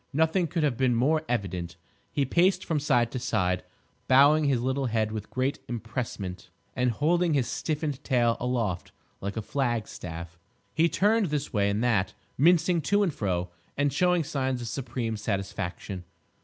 Nothing could have been more evident. He paced from side to side, bowing his little head with great empressement and holding his stiffened tail aloft like a flag staff. He turned this way and that, mincing to and fro, and showing signs of supreme satisfaction.